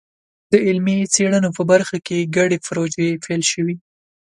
د علمي څېړنو په برخه کې ګډې پروژې پیل شوي.